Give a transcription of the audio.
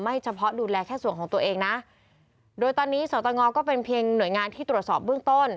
เฉพาะดูแลแค่ส่วนของตัวเองนะโดยตอนนี้สตงก็เป็นเพียงหน่วยงานที่ตรวจสอบเบื้องต้น